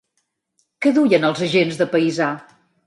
Què duien els agents de paisà?